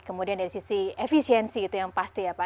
kemudian dari sisi efisiensi itu yang pasti ya pak